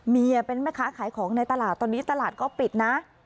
เป็นแม่ค้าขายของในตลาดตอนนี้ตลาดก็ปิดนะ